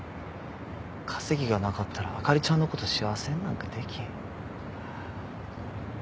稼ぎがなかったらあかりちゃんのこと幸せになんかできへん。